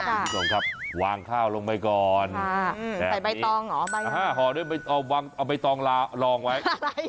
ค่ะค่ะวางข้าวลงไปก่อนใส่ใบตองหรอใบตองเอาใบตองรองไว้